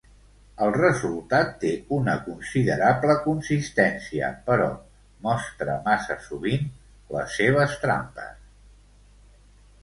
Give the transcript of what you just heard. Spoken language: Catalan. El resultat té una considerable consistència però mostra massa sovint les seves trampes.